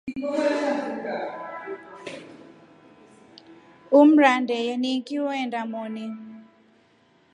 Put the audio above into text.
Umra ndeye nikiwenda mwoni.